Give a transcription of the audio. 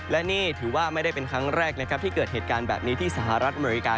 และนี่ถือว่าไม่ได้เป็นครั้งแรกนะครับที่เกิดเหตุการณ์แบบนี้ที่สหรัฐอเมริกา